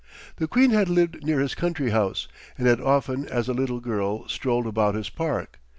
The queen had lived near his country house, and had often as a little girl strolled about his park.